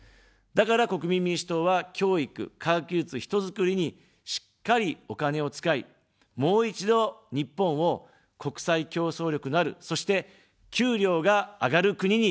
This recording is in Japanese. だから国民民主党は、教育、科学技術、人づくりに、しっかりお金を使い、もう一度、日本を、国際競争力のある、そして、給料が上がる国にしていきます。